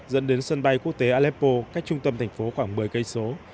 dẫn đến sân bay quốc tế aleppo cách trung tâm thành phố khoảng một mươi km